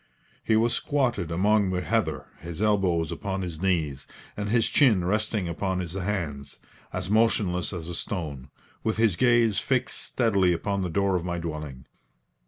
He was squatted among the heather, his elbows upon his knees, and his chin resting upon his hands, as motionless as a stone, with his gaze fixed steadily upon the door of my dwelling.